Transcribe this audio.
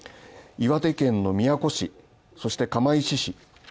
岩手県の宮古市、そして釜石市。